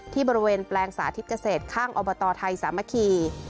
ที่บริเวณแปลงสาธิตเกษตรข้างอบตไทยสามัคคี